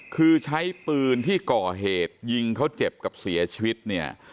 คือใช้ปืนที่ก่อเหตุยิงเขาเจ็บกับเสียชีวิตเนี่ย